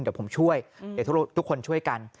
เดี๋ยวผมช่วยเดี๋ยวทุกคนช่วยกัน